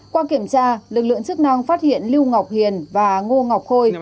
qua kiểm tra lực lượng chức năng phát hiện lưu ngọc hiền và ngô ngọc khôi